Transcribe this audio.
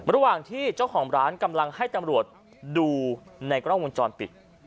ระหว่างที่เจ้าของร้านกำลังให้ตำรวจดูในกล้องวงจรปิด